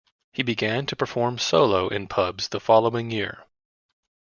He began to perform solo in pubs the following year.